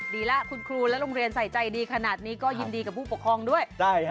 ดีแล้วคุณครูและโรงเรียนใส่ใจดีขนาดนี้ก็ยินดีกับผู้ปกครองด้วย